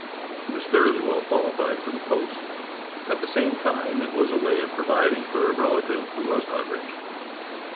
He was thoroughly well qualified for the post. At the same time it was a way of providing for a relative who was not rich.